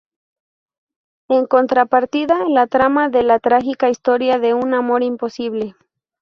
En contrapartida, la trama de la trágica historia de un amor imposible.